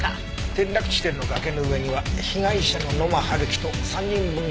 転落地点の崖の上には被害者の野間春樹と３人分の足跡